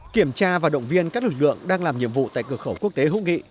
kiểm tra và động viên các lực lượng đang làm nhiệm vụ tại cửa khẩu quốc tế hữu nghị